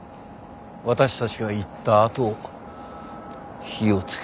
私たちが行ったあと火をつけた。